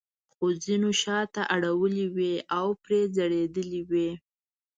خو ځینو شاته اړولې وې او پرې ځړېدلې وې.